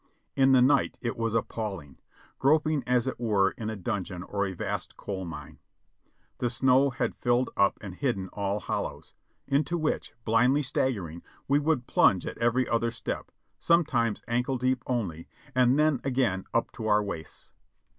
In the night it was appalling, grop ing as it were in a dungeon or a vast coal mine. The snow had filled up and hidden all hollows, into which, blindly staggering, we would plunge at every other step, sometimes ankle deep only, and then again up to our waists.